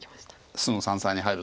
すぐ三々に入る。